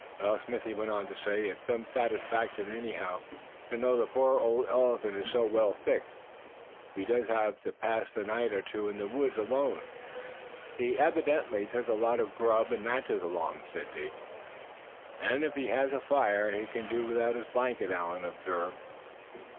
"Well," Smithy went on to say, "it's some satisfaction, anyhow, to know the poor old elephant is so well fixed, if he does have to pass a night or two in the woods alone." "He evidently took a lot of grub and matches along," said Davy. "And if he has a fire, he can do without his blanket," Allan observed.